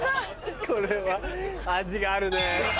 これは味があるね。